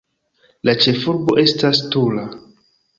La ĉefurbo estas Tula.